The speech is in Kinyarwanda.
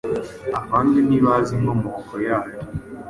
abandi ntibazi inkomoko yayo.